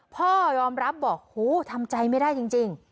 พ่อยอมรับบอกโหทำใจไม่ได้จริง